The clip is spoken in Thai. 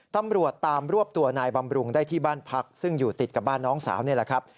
ตำรวจตามรวบตัวนายบำรุงได้ที่บ้านพักซึ่งอยู่ติดกับบ้านน้องสาวนี่แหละครับ